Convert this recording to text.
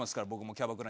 キャバクラ？